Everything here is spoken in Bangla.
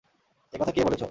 একথা কে বলেছো?